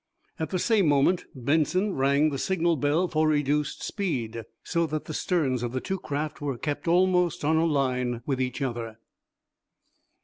At the same moment Benson rang the signal bell for reduced speed, so that the sterns of the two craft were kept almost on a line with each other.